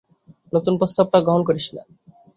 নতুন প্রস্তাবটা গ্রহণ করিস না।